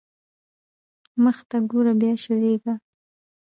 مخته ګوره بيا شېرېږا.